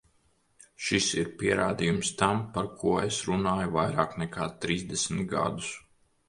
Šis ir pierādījums tam, par ko es runāju vairāk nekā trīsdesmit gadus.